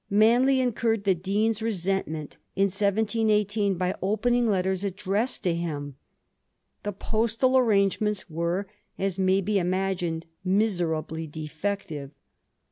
Manley incurred the Dean's resentment in 1718 by opening letters addressed to him. The postal arrangements were, as may be imagined, miserably defective.